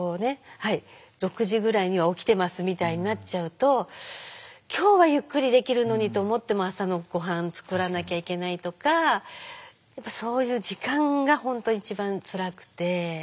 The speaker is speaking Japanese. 「はい６時ぐらいには起きてます」みたいになっちゃうと「今日はゆっくりできるのに」と思っても朝のごはん作らなきゃいけないとかそういう時間が本当一番つらくて。